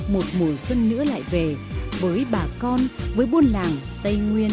một mùa xuân nữa lại về với bà con với buôn làng tây nguyên